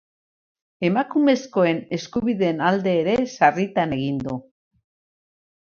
Emakumezkoen eskubideen alde ere sarritan egin du.